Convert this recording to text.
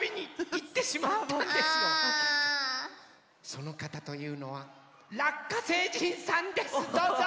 そのかたというのはラッカ星人さんですどうぞ！